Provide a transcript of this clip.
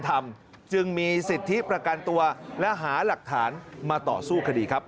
ที่ประกันตัวและหาหลักฐานมาต่อสู้คดีครับ